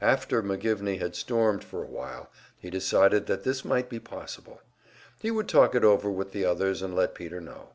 After McGivney had stormed for a while, he decided that this might be possible. He would talk it over with the others, and let Peter know.